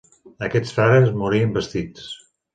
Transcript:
Aquests frares morien vestits.